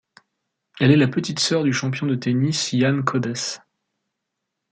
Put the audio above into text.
Elle est le petite sœur du champion de tennis Jan Kodeš.